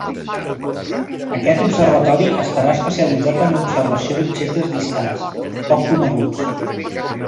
Aquest observatori estarà especialitzat en l'observació d'objectes distants, poc coneguts.